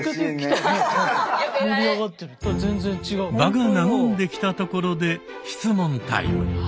場が和んできたところで質問タイム。